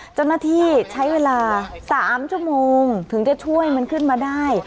เจ้าหน้าที่ใช้เวลา๓ชั่วโมงถึงจะช่วยมันขึ้นมาได้